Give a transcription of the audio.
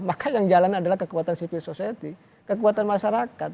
maka yang jalan adalah kekuatan civil society kekuatan masyarakat